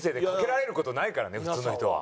普通の人は。